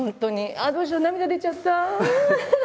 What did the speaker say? ああどうしよう涙出ちゃった！